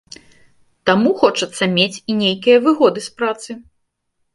Таму хочацца мець і нейкія выгоды з працы.